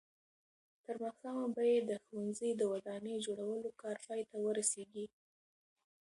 تر ماښامه به د ښوونځي د ودانۍ جوړولو کار پای ته ورسېږي.